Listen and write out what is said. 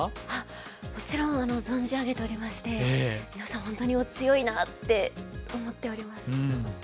あっもちろん存じ上げておりまして皆さん本当にお強いなって思っております。